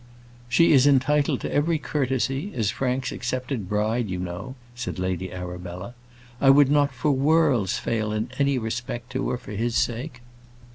"She is entitled to every courtesy as Frank's accepted bride, you know," said Lady Arabella. "I would not for worlds fail in any respect to her for his sake."